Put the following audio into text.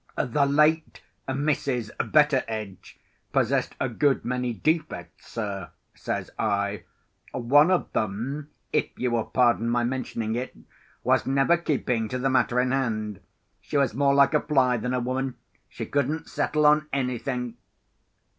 "The late Mrs. Betteredge possessed a good many defects, sir," says I. "One of them (if you will pardon my mentioning it) was never keeping to the matter in hand. She was more like a fly than a woman: she couldn't settle on anything."